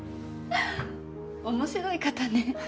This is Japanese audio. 面白い方ね。